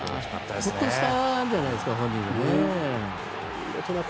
ほっとしたんじゃないですか本人は。